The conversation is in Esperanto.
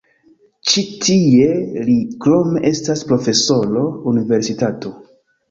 Ĉi tie li krome estas profesoro universitato.